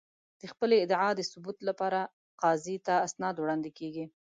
د خپلې ادعا د ثبوت لپاره قاضي ته اسناد وړاندې کېږي.